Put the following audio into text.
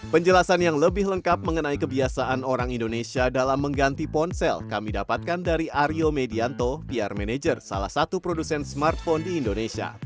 penjelasan yang lebih lengkap mengenai kebiasaan orang indonesia dalam mengganti ponsel kami dapatkan dari aryo medianto pr manager salah satu produsen smartphone di indonesia